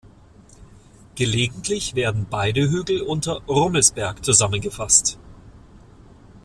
Gelegentlich werden beide Hügel unter "Rummelsberg" zusammengefasst.